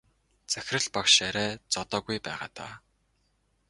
Захирал багш арай зодоогүй байгаа даа.